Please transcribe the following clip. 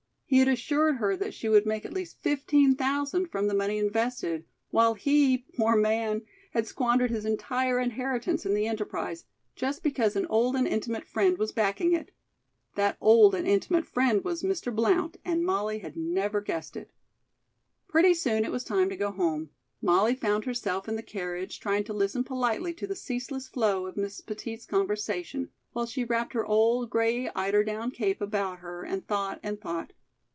He had assured her that she would make at least fifteen thousand from the money invested, while he, poor man, had squandered his entire inheritance in the enterprise, just because an old and intimate friend was backing it. That old and intimate friend was Mr. Blount, and Molly had never guessed it. Pretty soon it was time to go home. Molly found herself in the carriage, trying to listen politely to the ceaseless flow of Miss Petit's conversation, while she wrapped her old, gray eider down cape about her and thought and thought.